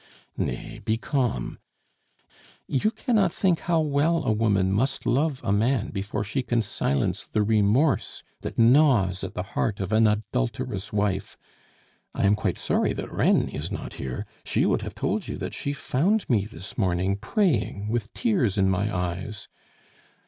"Nay, be calm." "You cannot think how well a woman must love a man before she can silence the remorse that gnaws at the heart of an adulterous wife. I am quite sorry that Reine is not here; she would have told you that she found me this morning praying with tears in my eyes.